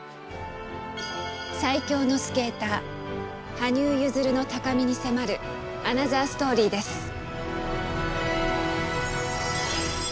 最強のスケーター羽生結弦の高みに迫るアナザーストーリーです。